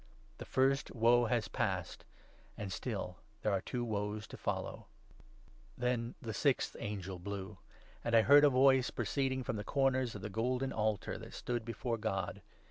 The first Woe has passed ; and still there are two Woes to 12 follow ! Then the sixth angel blew ; and I heard a voice proceeding 13 from the corners of the golden altar that stood before God.